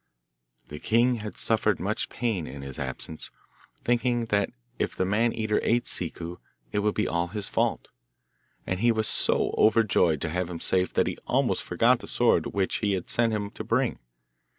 The king had suffered much pain in his absence, thinking that if the Man eater ate Ciccu, it would be all his fault. And he was so overjoyed to have him safe that he almost forgot the sword which he had sent him to bring.